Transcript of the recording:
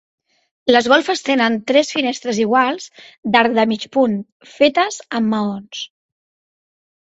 Les golfes tenen tres finestres iguals d'arc de mig punt, fetes amb maons.